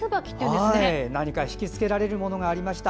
何か引きつけられるものがありました。